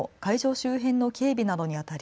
周辺の警備などにあたり